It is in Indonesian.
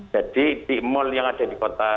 jadi di mall yang ada di kota